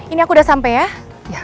ini aku udah sampai ya